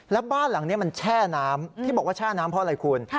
แล้วบ้านหลังนี้มันแช่น้ำที่บอกว่าแช่น้ำเพราะอะไรคุณ